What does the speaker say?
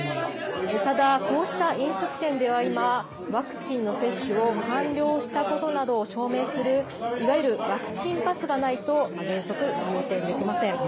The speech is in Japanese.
ただ、こうした飲食店では今、ワクチンの接種を完了したことなどを証明する、いわゆるワクチンパスがないと原則、入店できません。